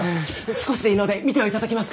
少しでいいので診ては頂けますか？